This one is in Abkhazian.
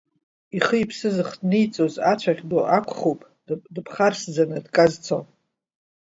Ихы-иԥсы зыхҭниҵоз ацәаӷь ду акәхуп дыԥхарсӡаны дказцо.